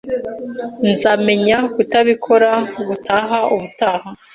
Nzamenya kutabikora gutaha ubutaha.